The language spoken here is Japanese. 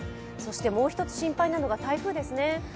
もう一つ心配なのが台風ですね。